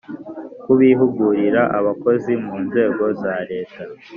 kubihugurira abakozi mu nzego za leta,